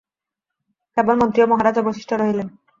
কেবল মন্ত্রী ও মহারাজ অবশিষ্ট রহিলেন।